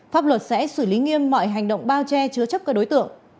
pháp luật sẽ xử lý nghiêm mọi hành động bao che chứa chấp các đối tượng